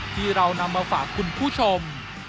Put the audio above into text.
ที่เรานำมาฝากคุณผู้ชม